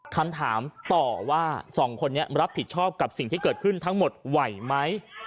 คำถามต่อว่าสองคนนี้รับผิดชอบกับสิ่งที่เกิดขึ้นทั้งหมดไหวไหม